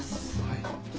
はい。